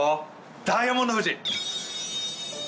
ダイヤモンド富士！